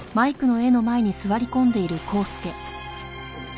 誰？